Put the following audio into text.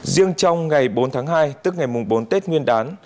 riêng trong ngày bốn tháng hai tức ngày bốn tết nguyên đán